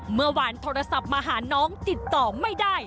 เมื่อวานโทรศัพท์มาหาน้องติดต่อไม่ได้